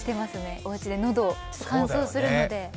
おうちで、喉が乾燥するので。